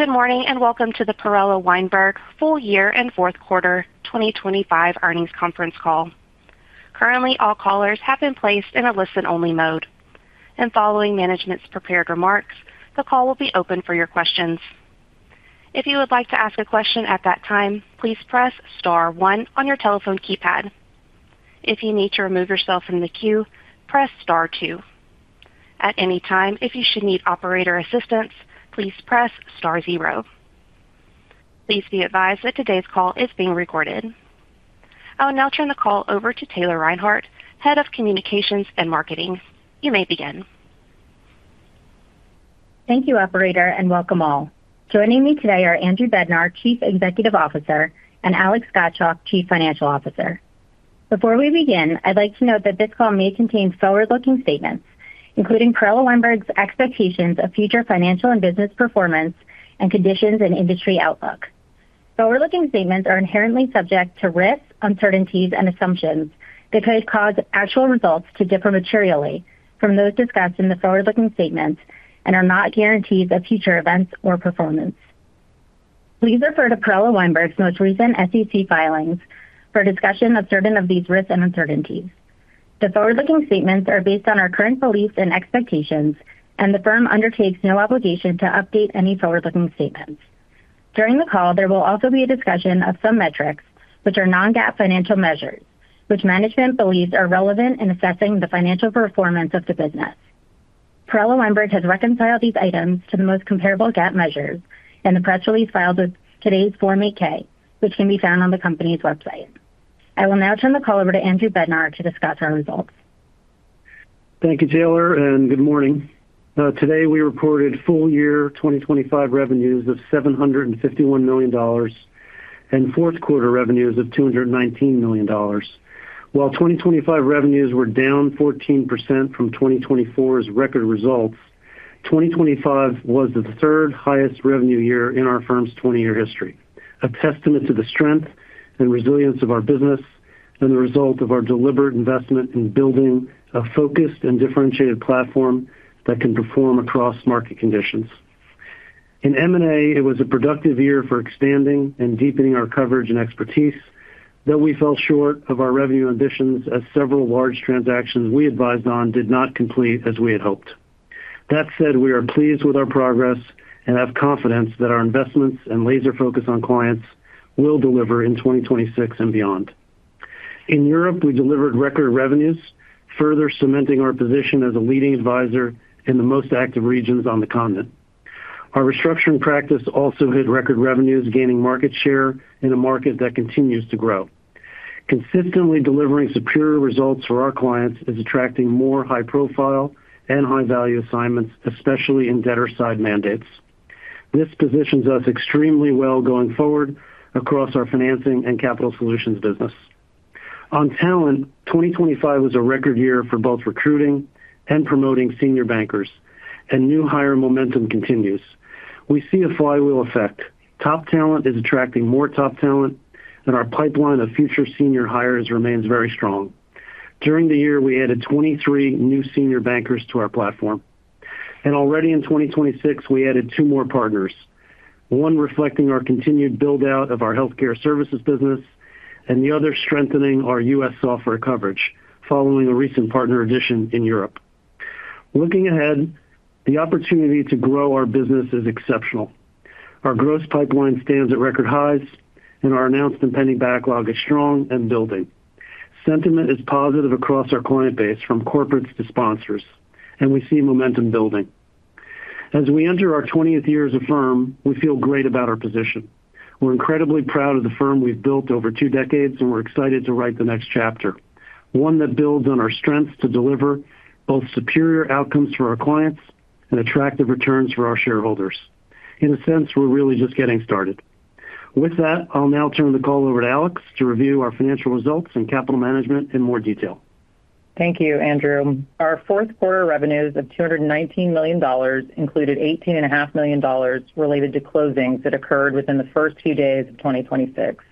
Good morning and welcome to the Perella Weinberg full year and fourth quarter 2025 earnings conference call. Currently, all callers have been placed in a listen-only mode, and following management's prepared remarks, the call will be open for your questions. If you would like to ask a question at that time, please press *1 on your telephone keypad. If you need to remove yourself from the queue, press *2. At any time, if you should need operator assistance, please press *0. Please be advised that today's call is being recorded. I will now turn the call over to Taylor Reinhardt, head of communications and marketing. You may begin.w Thank you, operator, and welcome all. Joining me today are Andrew Bednar, Chief Executive Officer, and Alex Gottschalk, Chief Financial Officer. Before we begin, I'd like to note that this call may contain forward-looking statements, including Perella Weinberg's expectations of future financial and business performance and conditions and industry outlook. Forward-looking statements are inherently subject to risks, uncertainties, and assumptions that could cause actual results to differ materially from those discussed in the forward-looking statements and are not guarantees of future events or performance. Please refer to Perella Weinberg's most recent SEC filings for discussion of certain of these risks and uncertainties. The forward-looking statements are based on our current beliefs and expectations, and the firm undertakes no obligation to update any forward-looking statements. During the call, there will also be a discussion of some metrics, which are non-GAAP financial measures, which management believes are relevant in assessing the financial performance of the business. Perella Weinberg has reconciled these items to the most comparable GAAP measures in the press release filed with today's Form 8-K, which can be found on the company's website. I will now turn the call over to Andrew Bednar to discuss our results. Thank you, Taylor, and good morning. Today, we reported full year 2025 revenues of $751 million and fourth quarter revenues of $219 million. While 2025 revenues were down 14% from 2024's record results, 2025 was the third highest revenue year in our firm's 20-year history, a testament to the strength and resilience of our business and the result of our deliberate investment in building a focused and differentiated platform that can perform across market conditions. In M&A, it was a productive year for expanding and deepening our coverage and expertise, though we fell short of our revenue ambitions as several large transactions we advised on did not complete as we had hoped. That said, we are pleased with our progress and have confidence that our investments and laser focus on clients will deliver in 2026 and beyond. In Europe, we delivered record revenues, further cementing our position as a leading advisor in the most active regions on the continent. Our Restructuring practice also hit record revenues, gaining market share in a market that continues to grow. Consistently delivering superior results for our clients is attracting more high-profile and high-value assignments, especially in Debtor-Side Mandates. This positions us extremely well going forward across our Financing and Capital Solutions business. On talent, 2025 was a record year for both recruiting and promoting senior bankers, and new hire momentum continues. We see a flywheel effect. Top talent is attracting more top talent, and our pipeline of future senior hires remains very strong. During the year, we added 23 new senior bankers to our platform. Already in 2026, we added two more partners, one reflecting our continued buildout of our healthcare services business and the other strengthening our U.S. software coverage following a recent partner addition in Europe. Looking ahead, the opportunity to grow our business is exceptional. Our gross pipeline stands at record highs, and our announced impending backlog is strong and building. Sentiment is positive across our client base from corporates to sponsors, and we see momentum building. As we enter our 20th year as a firm, we feel great about our position. We're incredibly proud of the firm we've built over two decades, and we're excited to write the next chapter, one that builds on our strengths to deliver both superior outcomes for our clients and attractive returns for our shareholders. In a sense, we're really just getting started. With that, I'll now turn the call over to Alex to review our financial results and capital management in more detail. Thank you, Andrew. Our fourth quarter revenues of $219 million included $18.5 million related to closings that occurred within the first few days of 2026,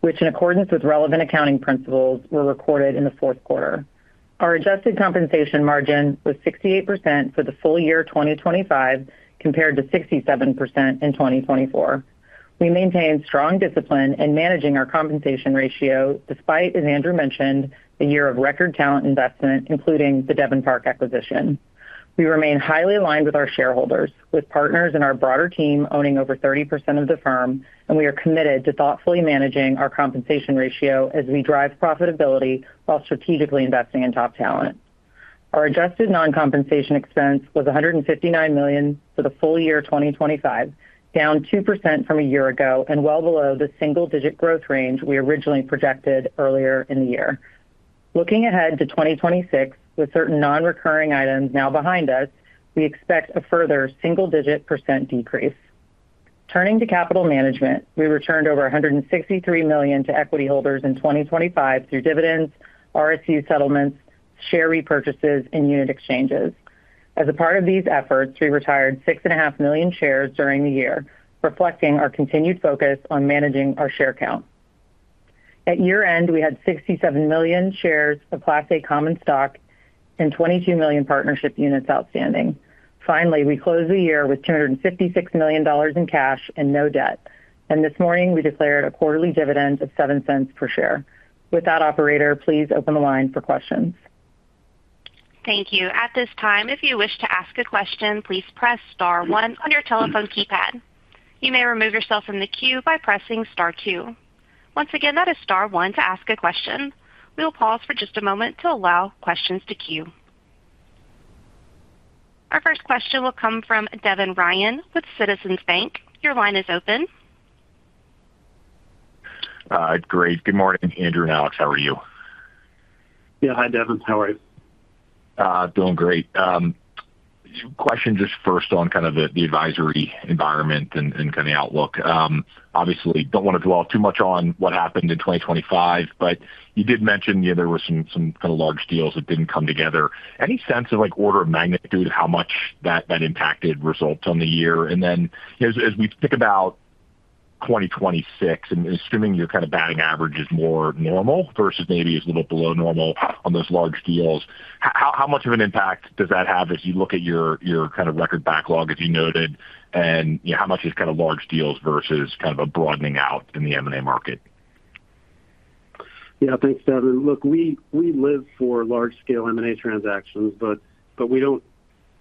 which, in accordance with relevant accounting principles, were recorded in the fourth quarter. Our adjusted compensation margin was 68% for the full year 2025 compared to 67% in 2024. We maintain strong discipline in managing our compensation ratio despite, as Andrew mentioned, a year of record talent investment, including the Devon Park acquisition. We remain highly aligned with our shareholders, with partners in our broader team owning over 30% of the firm, and we are committed to thoughtfully managing our compensation ratio as we drive profitability while strategically investing in top talent. Our adjusted non-compensation expense was $159 million for the full year 2025, down 2% from a year ago and well below the single-digit growth range we originally projected earlier in the year. Looking ahead to 2026, with certain non-recurring items now behind us, we expect a further single-digit % decrease. Turning to capital management, we returned over $163 million to equity holders in 2025 through dividends, RSU settlements, share repurchases, and unit exchanges. As a part of these efforts, we retired 6.5 million shares during the year, reflecting our continued focus on managing our share count. At year-end, we had 67 million shares of Class A common stock and 22 million partnership units outstanding. Finally, we closed the year with $256 million in cash and no debt. This morning, we declared a quarterly dividend of $0.07 per share. With that, operator, please open the line for questions. Thank you. At this time, if you wish to ask a question, please press *1 on your telephone keypad. You may remove yourself from the queue by pressing *2. Once again, that is *1 to ask a question. We will pause for just a moment to allow questions to queue. Our first question will come from Devin Ryan with Citizens Bank. Your line is open. Great. Good morning, Andrew and Alex. How are you? Yeah, hi, Devin. How are you? Doing great. Question just first on kind of the advisory environment and kind of the outlook. Obviously, don't want to dwell too much on what happened in 2025, but you did mention there were some kind of large deals that didn't come together. Any sense of order of magnitude of how much that impacted results on the year? And then as we think about 2026, and assuming you're kind of batting averages more normal versus maybe a little below normal on those large deals, how much of an impact does that have as you look at your kind of record backlog, as you noted, and how much is kind of large deals versus kind of a broadening out in the M&A market? Yeah, thanks, Devin. Look, we live for large-scale M&A transactions, but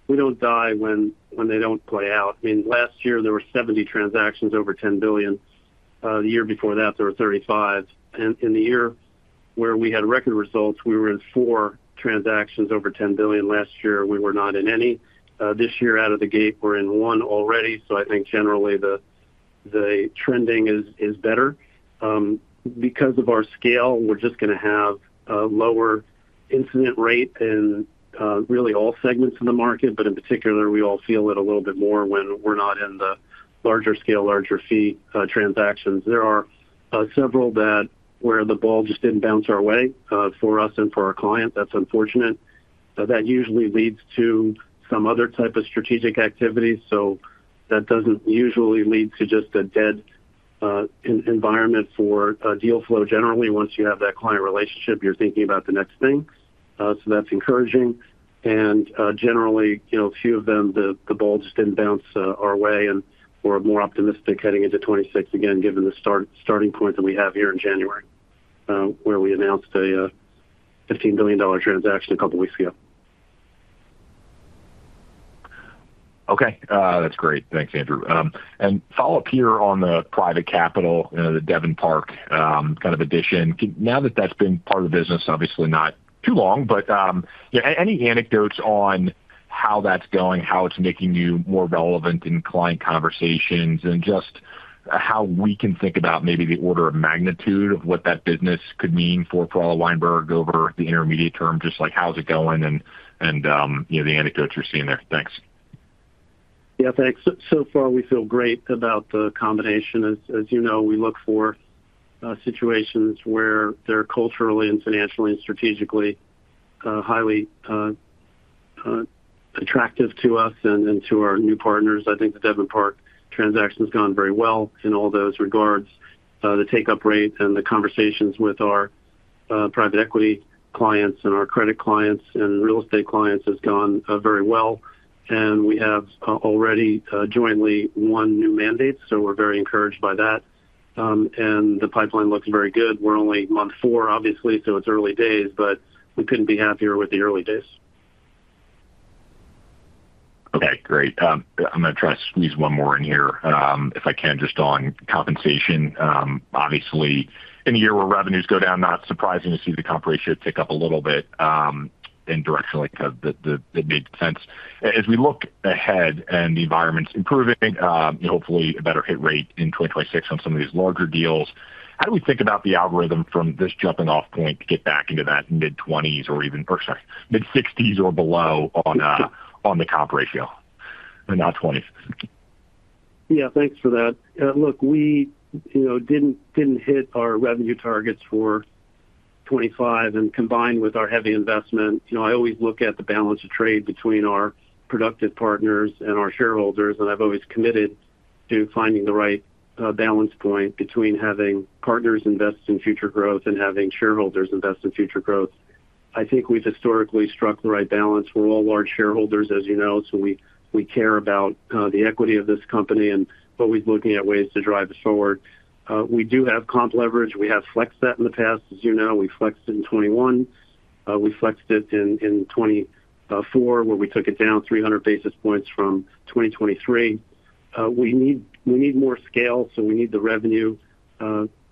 we don't die when they don't play out. I mean, last year, there were 70 transactions over $10 billion. The year before that, there were 35. In the year where we had record results, we were in 4 transactions over $10 billion. Last year, we were not in any. This year, out of the gate, we're in 1 already. So I think generally, the trending is better. Because of our scale, we're just going to have a lower incident rate in really all segments of the market, but in particular, we all feel it a little bit more when we're not in the larger-scale, larger-fee transactions. There are several where the ball just didn't bounce our way for us and for our client. That's unfortunate. That usually leads to some other type of strategic activity. So that doesn't usually lead to just a dead environment for deal flow generally. Once you have that client relationship, you're thinking about the next thing. So that's encouraging. And generally, a few of them, the ball just didn't bounce our way. And we're more optimistic heading into 2026 again, given the starting point that we have here in January where we announced a $15 billion transaction a couple of weeks ago. Okay. That's great. Thanks, Andrew. And follow-up here on the private capital, the Devon Park kind of addition. Now that that's been part of the business, obviously not too long, but any anecdotes on how that's going, how it's making you more relevant in client conversations, and just how we can think about maybe the order of magnitude of what that business could mean for Perella Weinberg over the intermediate term, just how's it going and the anecdotes you're seeing there? Thanks. Yeah, thanks. So far, we feel great about the combination. As you know, we look for situations where they're culturally and financially and strategically highly attractive to us and to our new partners. I think the Devon Park transaction has gone very well in all those regards. The take-up rate and the conversations with our private equity clients and our credit clients and real estate clients have gone very well. And we have already jointly won new mandates, so we're very encouraged by that. And the pipeline looks very good. We're only month four, obviously, so it's early days, but we couldn't be happier with the early days. Okay. Great. I'm going to try to squeeze one more in here if I can, just on compensation. Obviously, in a year where revenues go down, not surprising to see the comp ratio tick up a little bit in direction like that made sense. As we look ahead and the environment's improving, hopefully a better hit rate in 2026 on some of these larger deals, how do we think about the algorithm from this jumping-off point to get back into that mid-20s or even or sorry, mid-60s or below on the comp ratio and not 20s? Yeah, thanks for that. Look, we didn't hit our revenue targets for 2025. Combined with our heavy investment, I always look at the balance of trade between our productive partners and our shareholders. I've always committed to finding the right balance point between having partners invest in future growth and having shareholders invest in future growth. I think we've historically struck the right balance. We're all large shareholders, as you know, so we care about the equity of this company and always looking at ways to drive it forward. We do have comp leverage. We have flexed that in the past, as you know. We flexed it in 2021. We flexed it in 2024 where we took it down 300 basis points from 2023. We need more scale, so we need the revenue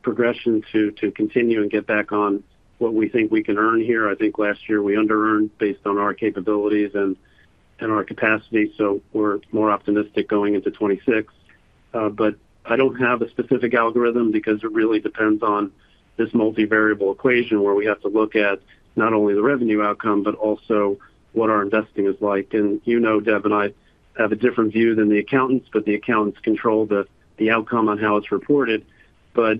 progression to continue and get back on what we think we can earn here. I think last year, we under-earned based on our capabilities and our capacity, so we're more optimistic going into 2026. But I don't have a specific algorithm because it really depends on this multivariable equation where we have to look at not only the revenue outcome but also what our investing is like. And you know, Devin, I have a different view than the accountants, but the accountants control the outcome on how it's reported. But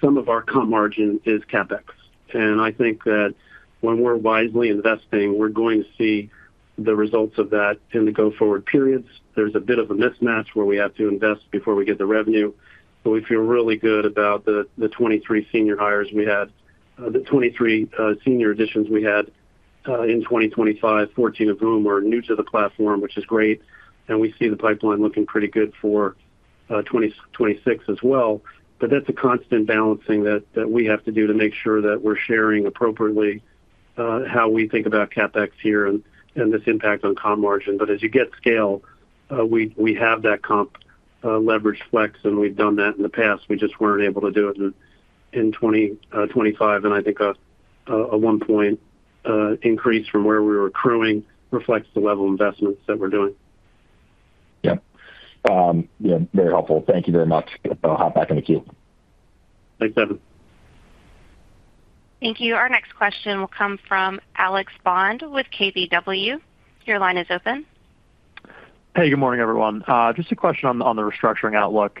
some of our comp margin is CapEx. And I think that when we're wisely investing, we're going to see the results of that in the go-forward periods. There's a bit of a mismatch where we have to invest before we get the revenue. But we feel really good about the 23 senior hires we had the 23 senior additions we had in 2025, 14 of whom were new to the platform, which is great. We see the pipeline looking pretty good for 2026 as well. That's a constant balancing that we have to do to make sure that we're sharing appropriately how we think about CapEx here and this impact on comp margin. As you get scale, we have that comp leverage flex, and we've done that in the past. We just weren't able to do it in 2025. I think a one-point increase from where we were accruing reflects the level of investments that we're doing. Yep. Yeah, very helpful. Thank you very much. I'll hop back in the queue. Thanks, Devin. Thank you. Our next question will come from Alex Bond with KBW. Your line is open. Hey, good morning, everyone. Just a question on the restructuring outlook.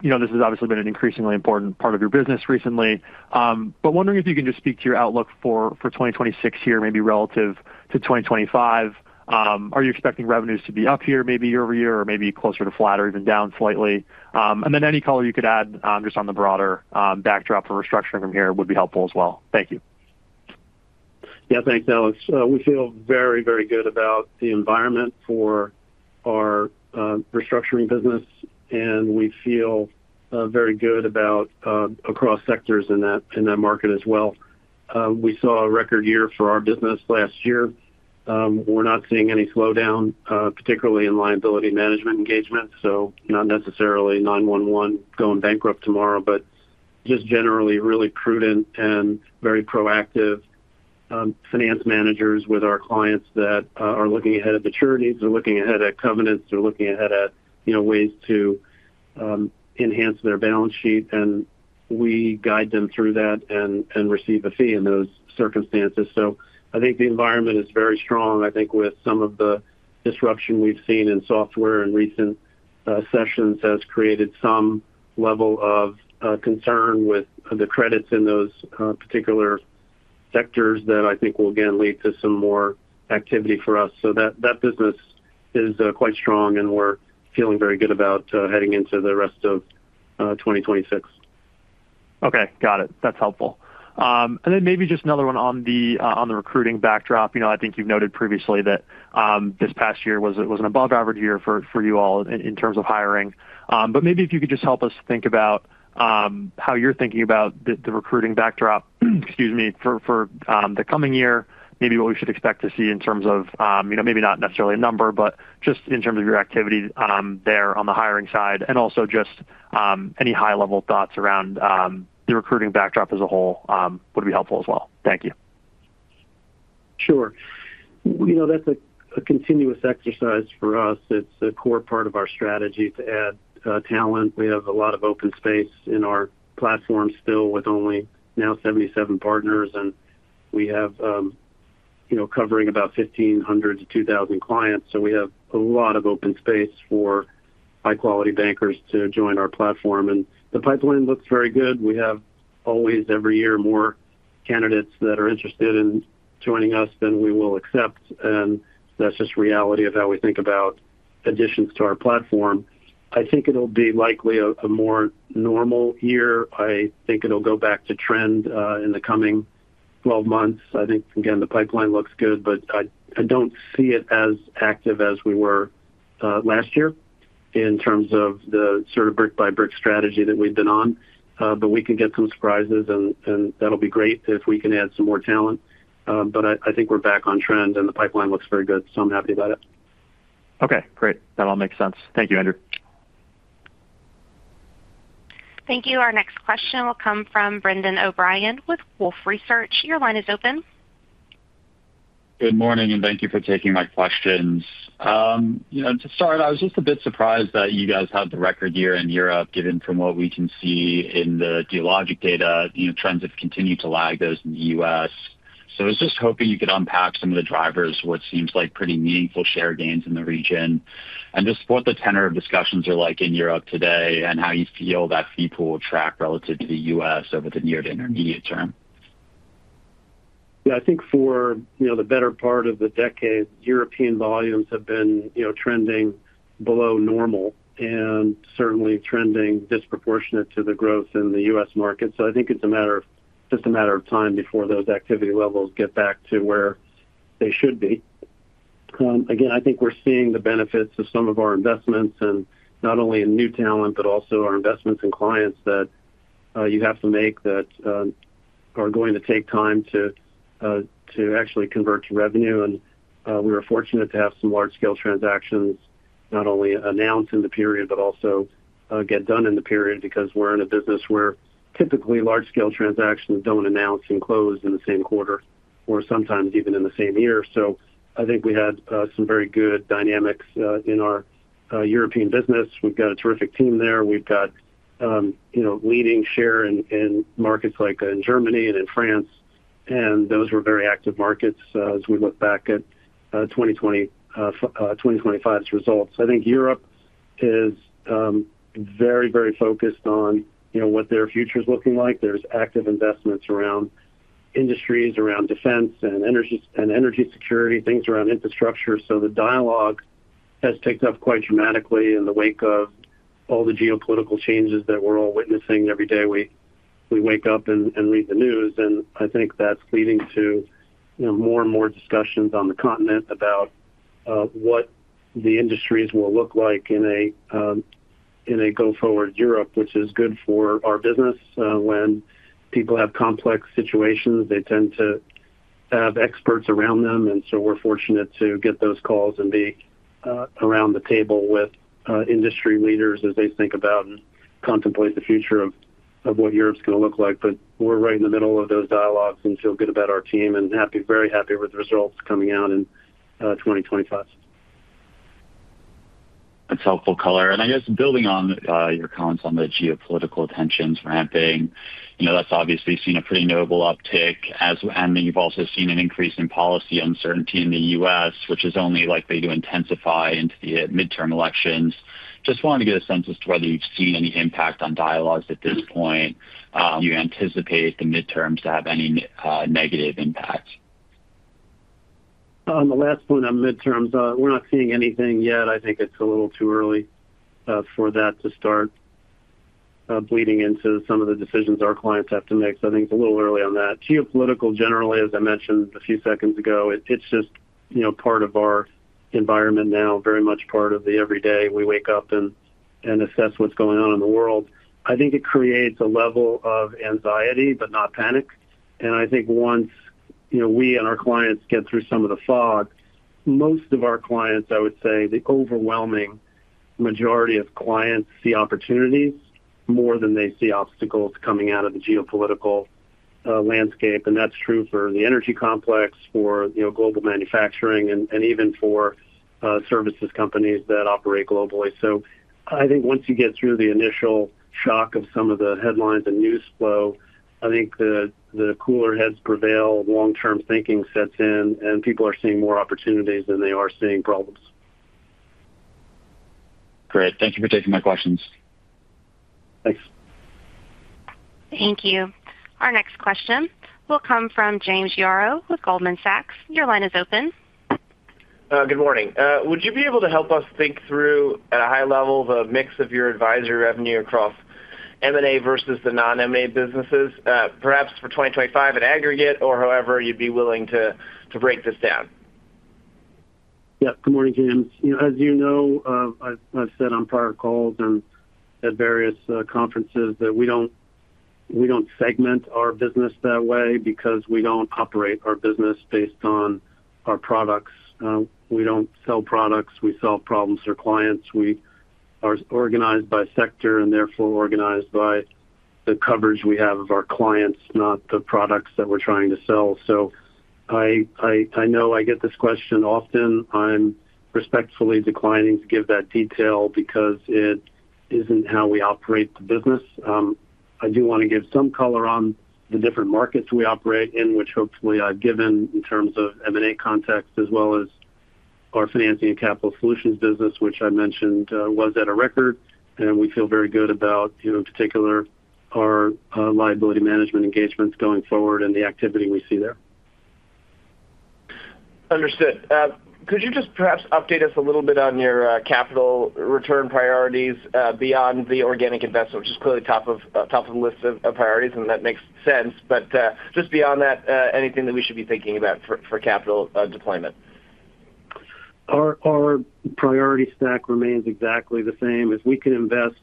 This has obviously been an increasingly important part of your business recently. But wondering if you can just speak to your outlook for 2026 here, maybe relative to 2025. Are you expecting revenues to be up here maybe year-over-year or maybe closer to flat or even down slightly? And then any color you could add just on the broader backdrop for restructuring from here would be helpful as well. Thank you. Yeah, thanks, Alex. We feel very, very good about the environment for our restructuring business, and we feel very good across sectors in that market as well. We saw a record year for our business last year. We're not seeing any slowdown, particularly in liability management engagements. So not necessarily 911 going bankrupt tomorrow, but just generally really prudent and very proactive finance managers with our clients that are looking ahead at maturities. They're looking ahead at covenants. They're looking ahead at ways to enhance their balance sheet. And we guide them through that and receive a fee in those circumstances. So I think the environment is very strong. I think with some of the disruption we've seen in software in recent sessions has created some level of concern with the credits in those particular sectors that I think will, again, lead to some more activity for us. So that business is quite strong, and we're feeling very good about heading into the rest of 2026. Okay. Got it. That's helpful. And then maybe just another one on the recruiting backdrop. I think you've noted previously that this past year was an above-average year for you all in terms of hiring. But maybe if you could just help us think about how you're thinking about the recruiting backdrop - excuse me - for the coming year, maybe what we should expect to see in terms of maybe not necessarily a number, but just in terms of your activity there on the hiring side. And also just any high-level thoughts around the recruiting backdrop as a whole would be helpful as well. Thank you. Sure. That's a continuous exercise for us. It's a core part of our strategy to add talent. We have a lot of open space in our platform still with only now 77 partners. And we have covering about 1,500-2,000 clients. So we have a lot of open space for high-quality bankers to join our platform. And the pipeline looks very good. We have always, every year, more candidates that are interested in joining us than we will accept. And that's just reality of how we think about additions to our platform. I think it'll be likely a more normal year. I think it'll go back to trend in the coming 12 months. I think, again, the pipeline looks good, but I don't see it as active as we were last year in terms of the sort of brick-by-brick strategy that we've been on. But we can get some surprises, and that'll be great if we can add some more talent. But I think we're back on trend, and the pipeline looks very good, so I'm happy about it. Okay. Great. That all makes sense. Thank you, Andrew. Thank you. Our next question will come from Brendan O'Brien with Wolfe Research. Your line is open. Good morning, and thank you for taking my questions. To start, I was just a bit surprised that you guys had the record year in Europe. Given from what we can see in the Dealogic data, trends have continued to lag those in the U.S. So I was just hoping you could unpack some of the drivers of what seems like pretty meaningful share gains in the region and just what the tenor of discussions are like in Europe today and how you feel that fee pool will track relative to the U.S. over the near to intermediate term? Yeah, I think for the better part of the decade, European volumes have been trending below normal and certainly trending disproportionate to the growth in the U.S. market. So I think it's just a matter of time before those activity levels get back to where they should be. Again, I think we're seeing the benefits of some of our investments, not only in new talent but also our investments in clients that you have to make that are going to take time to actually convert to revenue. And we were fortunate to have some large-scale transactions not only announced in the period but also get done in the period because we're in a business where typically, large-scale transactions don't announce and close in the same quarter or sometimes even in the same year. So I think we had some very good dynamics in our European business. We've got a terrific team there. We've got leading share in markets like in Germany and in France. Those were very active markets as we look back at 2025's results. I think Europe is very, very focused on what their future's looking like. There's active investments around industries, around defense and energy security, things around infrastructure. The dialogue has picked up quite dramatically in the wake of all the geopolitical changes that we're all witnessing every day we wake up and read the news. I think that's leading to more and more discussions on the continent about what the industries will look like in a go-forward Europe, which is good for our business. When people have complex situations, they tend to have experts around them. So we're fortunate to get those calls and be around the table with industry leaders as they think about and contemplate the future of what Europe's going to look like. But we're right in the middle of those dialogues and feel good about our team and very happy with the results coming out in 2025. That's helpful color. And I guess building on your comments on the geopolitical tensions ramping, that's obviously seen a pretty notable uptick. And then you've also seen an increase in policy uncertainty in the U.S., which is only likely to intensify into the midterm elections. Just wanted to get a sense as to whether you've seen any impact on dialogues at this point. Do you anticipate the midterms to have any negative impacts? On the last point on midterms, we're not seeing anything yet. I think it's a little too early for that to start bleeding into some of the decisions our clients have to make. So I think it's a little early on that. Geopolitical, generally, as I mentioned a few seconds ago, it's just part of our environment now, very much part of the everyday. We wake up and assess what's going on in the world. I think it creates a level of anxiety but not panic. And I think once we and our clients get through some of the fog, most of our clients, I would say, the overwhelming majority of clients see opportunities more than they see obstacles coming out of the geopolitical landscape. And that's true for the energy complex, for global manufacturing, and even for services companies that operate globally. I think once you get through the initial shock of some of the headlines and news flow, I think the cooler heads prevail. Long-term thinking sets in, and people are seeing more opportunities than they are seeing problems. Great. Thank you for taking my questions. Thanks. Thank you. Our next question will come from James Yaro with Goldman Sachs. Your line is open. Good morning. Would you be able to help us think through, at a high level, the mix of your advisory revenue across M&A versus the non-M&A businesses, perhaps for 2025 at aggregate or however you'd be willing to break this down? Yep. Good morning, James. As you know, I've said on prior calls and at various conferences that we don't segment our business that way because we don't operate our business based on our products. We don't sell products. We solve problems for clients. We are organized by sector and therefore organized by the coverage we have of our clients, not the products that we're trying to sell. So I know I get this question often. I'm respectfully declining to give that detail because it isn't how we operate the business. I do want to give some color on the different markets we operate in, which hopefully I've given in terms of M&A context as well as our Financing and Capital Solutions business, which I mentioned was at a record. And we feel very good about, in particular, our Liability Management engagements going forward and the activity we see there. Understood. Could you just perhaps update us a little bit on your capital return priorities beyond the organic investment, which is clearly top of the list of priorities, and that makes sense. But just beyond that, anything that we should be thinking about for capital deployment? Our priority stack remains exactly the same. If we can invest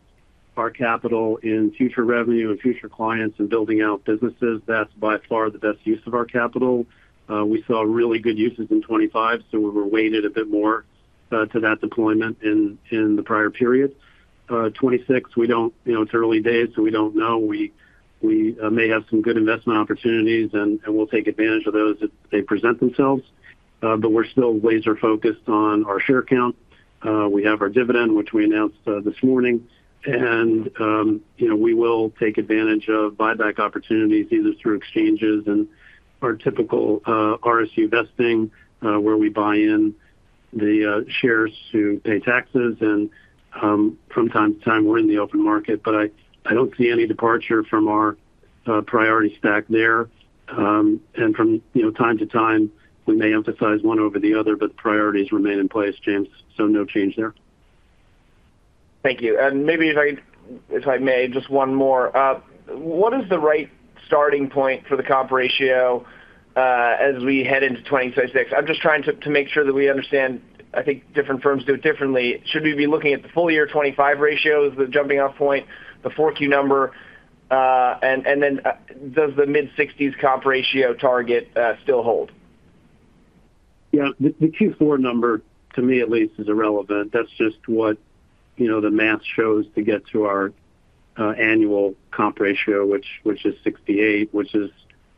our capital in future revenue and future clients and building out businesses, that's by far the best use of our capital. We saw really good uses in 2025, so we were weighted a bit more to that deployment in the prior period. 2026, it's early days, so we don't know. We may have some good investment opportunities, and we'll take advantage of those if they present themselves. But we're still laser-focused on our share count. We have our dividend, which we announced this morning. And we will take advantage of buyback opportunities either through exchanges and our typical RSU vesting where we buy in the shares to pay taxes. And from time to time, we're in the open market. But I don't see any departure from our priority stack there. From time to time, we may emphasize one over the other, but the priorities remain in place, James, so no change there. Thank you. And maybe if I may, just one more. What is the right starting point for the comp ratio as we head into 2026? I'm just trying to make sure that we understand. I think different firms do it differently. Should we be looking at the full-year 2025 ratio as the jumping-off point, the 4Q number? And then does the mid-60s comp ratio target still hold? Yeah. The Q4 number, to me at least, is irrelevant. That's just what the math shows to get to our annual comp ratio, which is 68, which is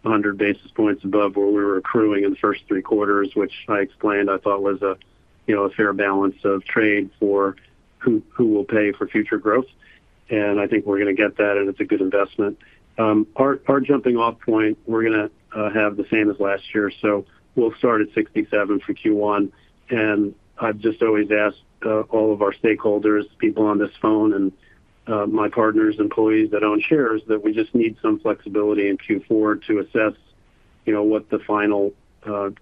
100 basis points above where we were accruing in the first three quarters, which I explained I thought was a fair balance of trade for who will pay for future growth. And I think we're going to get that, and it's a good investment. Our jumping-off point, we're going to have the same as last year. So we'll start at 67 for Q1. And I've just always asked all of our stakeholders, people on this phone and my partners, employees that own shares, that we just need some flexibility in Q4 to assess what the final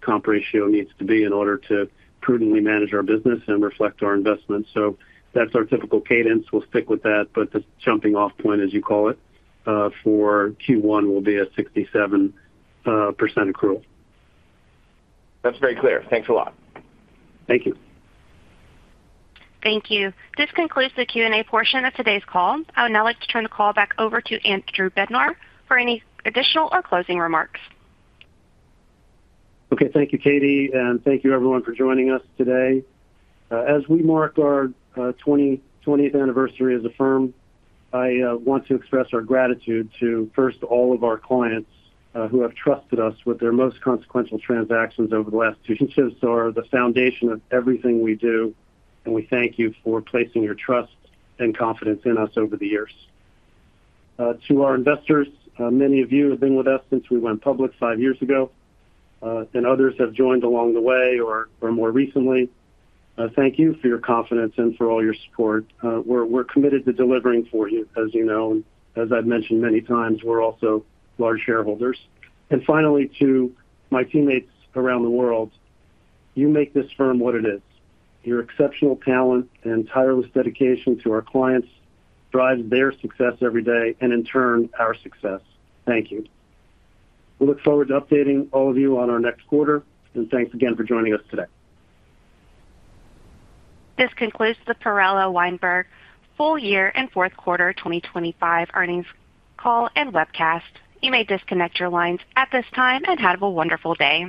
comp ratio needs to be in order to prudently manage our business and reflect our investments. So that's our typical cadence. We'll stick with that. The jumping-off point, as you call it, for Q1 will be a 67% accrual. That's very clear. Thanks a lot. Thank you. Thank you. This concludes the Q&A portion of today's call. I would now like to turn the call back over to Andrew Bednar for any additional or closing remarks. Okay. Thank you, Katie. Thank you, everyone, for joining us today. As we mark our 20th anniversary as a firm, I want to express our gratitude to, first, all of our clients who have trusted us with their most consequential transactions over the last two years or the foundation of everything we do. We thank you for placing your trust and confidence in us over the years. To our investors, many of you have been with us since we went public five years ago, and others have joined along the way or more recently. Thank you for your confidence and for all your support. We're committed to delivering for you, as you know. And as I've mentioned many times, we're also large shareholders. Finally, to my teammates around the world, you make this firm what it is. Your exceptional talent and tireless dedication to our clients drives their success every day and, in turn, our success. Thank you. We look forward to updating all of you on our next quarter. Thanks again for joining us today. This concludes the Perella Weinberg full-year and fourth quarter 2025 earnings call and webcast. You may disconnect your lines at this time. Have a wonderful day.